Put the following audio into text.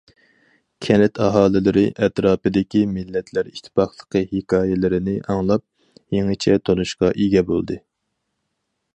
كەنت ئاھالىلىرى ئەتراپىدىكى مىللەتلەر ئىتتىپاقلىقى ھېكايىلىرىنى ئاڭلاپ، يېڭىچە تونۇشقا ئىگە بولدى.